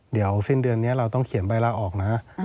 เดี๋ยวสิ้นเดือนนี้เราต้องเขียนใบลาออกนะ